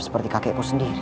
seperti kakekku sendiri